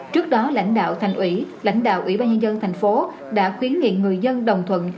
trước đó lãnh đạo thành ủy lãnh đạo ủy ban nhân dân thành phố đã khuyến nghị người dân đồng thuận